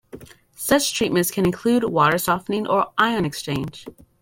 Such treatments can include water softening or ion exchange.